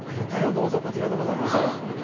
どうぞ、こちらでございます。